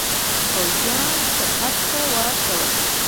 پوځیان سرحد ته واستول.